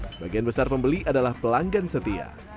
sebagian besar pembeli adalah pelanggan setia